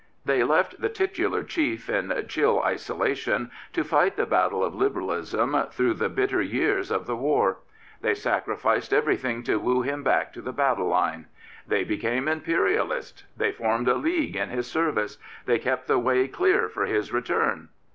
They left the titular chief in chill isolation to fight the battle of Liberalism through the bitter years of the war. They sacrificed everything to woo him back to the battle line. They became "'Imperialists'*; they formed a League in his service; they kept the way clear for his return.